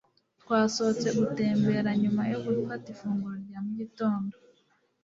Twasohotse gutembera nyuma yo gufata ifunguro rya mu gitondo.